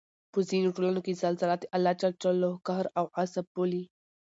په ځینو ټولنو کې زلزله د الله ج قهر او غصب بولي